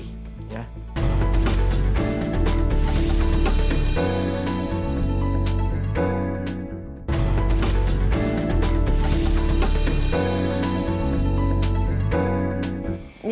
kisah kisah depresi di indonesia